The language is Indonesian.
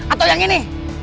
atau yang ini